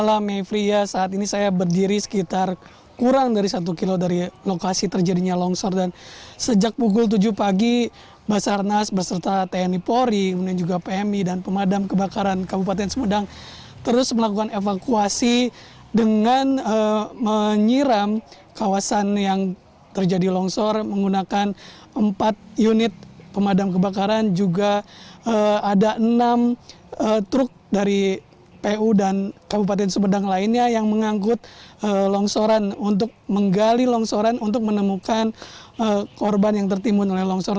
ada empat unit pemadam kebakaran juga ada enam truk dari pu dan kabupaten sumedang lainnya yang mengangkut longsoran untuk menggali longsoran untuk menemukan korban yang tertimbun oleh longsor